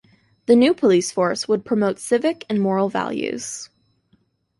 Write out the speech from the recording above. The new police force would promote civic and moral values.